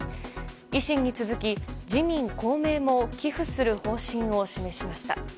維新に続き、自民・公明も寄付する方針を示しました。